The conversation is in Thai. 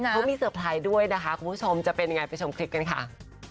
เขามีเซอร์ไพรส์ด้วยนะคะคุณผู้ชมจะเป็นยังไงไปชมคลิปกันค่ะ